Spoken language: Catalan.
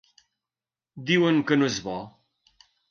Diuen que no és bo.